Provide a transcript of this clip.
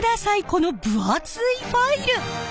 この分厚いファイル！